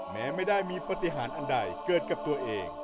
แม้ไม่ได้มีปฏิหารอันใดเกิดกับตัวเอง